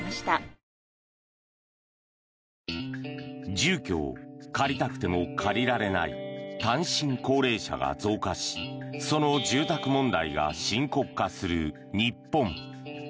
住居を借りたくても借りられない単独高齢者が増加しその住宅問題が深刻化する日本。